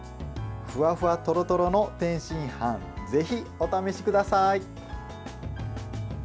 ふわふわ、とろとろの天津飯ぜひお試しください。